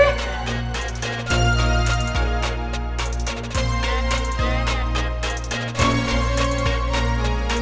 sommer tuntas mungkin tuh